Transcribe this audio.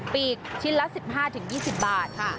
ปีกชิ้นละ๑๕๒๐บาท